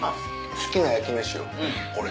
好きな焼き飯よこれ。